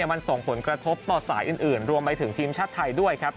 มันส่งผลกระทบต่อสายอื่นรวมไปถึงทีมชาติไทยด้วยครับ